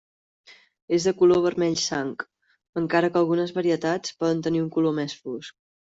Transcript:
És de color vermell sang, encara que algunes varietats poden tenir un color més fosc.